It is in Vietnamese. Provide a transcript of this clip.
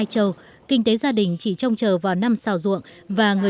trạm y tế xã trường châu